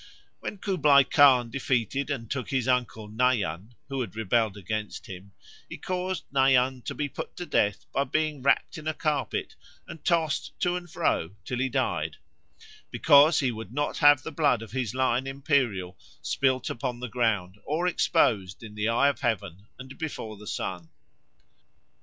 When Kublai Khan defeated and took his uncle Nayan, who had rebelled against him, he caused Nayan to be put to death by being wrapt in a carpet and tossed to and fro till he died, "because he would not have the blood of his Line Imperial spilt upon the ground or exposed in the eye of Heaven and before the Sun."